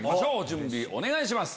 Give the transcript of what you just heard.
準備お願いします。